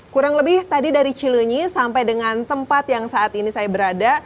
kurang lebih tadi dari cilunyi sampai dengan tempat yang saat ini saya berada